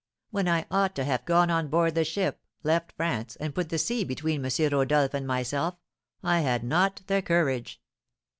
when I ought to have gone on board the ship, left France, and put the sea between M. Rodolph and myself, I had not the courage.